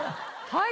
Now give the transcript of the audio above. はい！